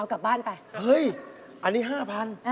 เอากลับบ้านไปเฮ้ยอันนี้๕๐๐๐บาท